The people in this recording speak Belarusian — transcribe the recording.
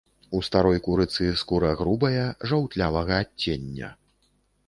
У старой курыцы скура грубая, жаўтлявага адцення.